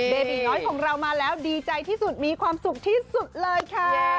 เบบีน้อยของเรามาแล้วดีใจที่สุดมีความสุขที่สุดเลยค่ะ